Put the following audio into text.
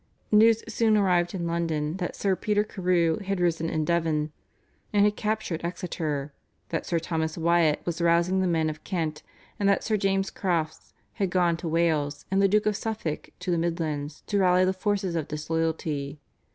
News soon arrived in London that Sir Peter Carew had risen in Devon and had captured Exeter, that Sir Thomas Wyatt was rousing the men of Kent, and that Sir James Crofts had gone to Wales and the Duke of Suffolk to the midlands to rally the forces of disloyalty.